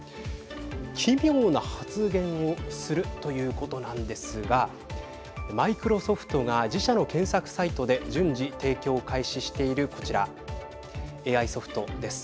奇妙な発言をするということなんですがマイクロソフトが自社の検索サイトで順次提供を開始しているこちらＡＩソフトです。